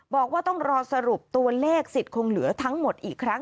บอกว่าต้องรอสรุปตัวเลขสิทธิ์คงเหลือทั้งหมดอีกครั้ง